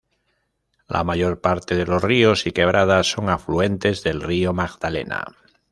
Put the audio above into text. La mayor parte de los ríos y quebradas son afluentes del Río Magdalena.